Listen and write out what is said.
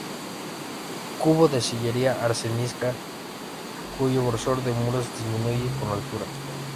Cubo de sillería arenisca cuyo grosor de muros disminuye con la altura.